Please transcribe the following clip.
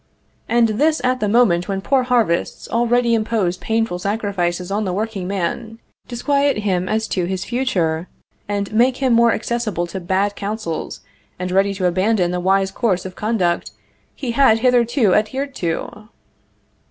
"And this at the moment when poor harvests already impose painful sacrifices on the workingman, disquiet him as to his future, and make him more accessible to bad counsels and ready to abandon the wise course of conduct he had hitherto adhered to!"